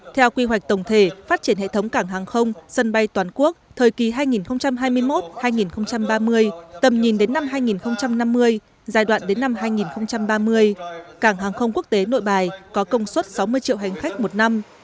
theo quy hoạch tổng thể phát triển hệ thống cảng hàng không sân bay toàn quốc thời kỳ hai nghìn hai mươi một hai nghìn ba mươi tầm nhìn đến năm hai nghìn năm mươi giai đoạn đến năm hai nghìn ba mươi cảng hàng không quốc tế nội bài có công suất sáu mươi triệu hành khách một năm